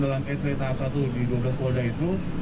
dalam etle tahap satu di dua belas polda itu